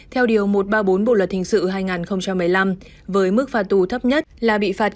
theo điều một trăm ba mươi bốn bộ luật hình sự hai nghìn một mươi năm với mức phạt tù thấp nhất là bị phạt